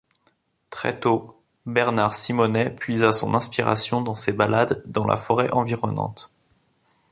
Très tôt, Bernard Simonay puisa son inspiration dans ses balades dans la forêt environnante.